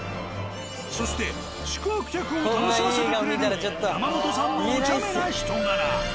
そして宿泊客を楽しませてくれる山本さんのおちゃめな人柄。